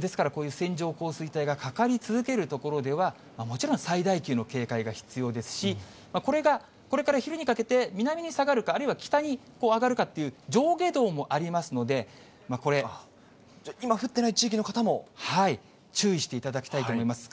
ですから、こういう線状降水帯がかかり続ける所では、もちろん、最大級の警戒が必要ですし、これが、これから昼にかけて南に下がるか、あるいは北に上がるかっていう、上下動もありますので、さて、ここで改めて、九州の大雨情報についてお伝えします。